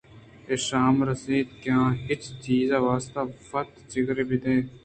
ایش ہم راست اِنت کہ ہچ چیز ءِ واستہ وت ءَ جگروے بدئے